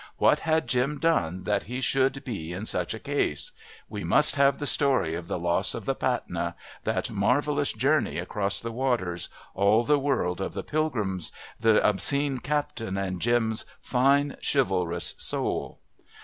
What had Jim done that he should be in such a case? We must have the story of the loss of the Patna, that marvellous journey across the waters, all the world of the pilgrims, the obscene captain and Jim's fine, chivalrous soul.